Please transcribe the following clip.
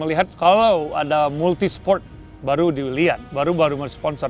kita lihat kalau ada multi sport baru diwiliat baru baru meresponsor